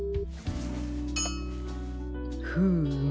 フーム。